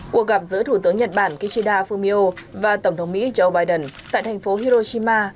cuộc gặp giữa thủ tướng nhật bản kishida fumio và tổng thống mỹ joe biden tại thành phố hiroshima